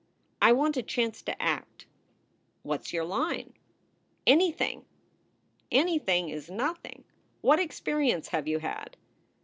"I want a chance to act." "What s your line?" "Anything." "Anything is nothing. What experience have you had?"